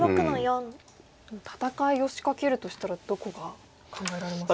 でも戦いを仕掛けるとしたらどこが考えられますか？